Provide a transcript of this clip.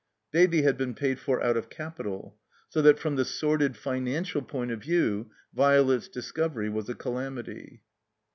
Baby had been paid for out of capital. So that from the sor did financial point of view Violet's discovery was a calamity.